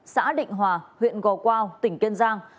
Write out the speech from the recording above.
xã định hòa huyện gò quao tỉnh kiên giang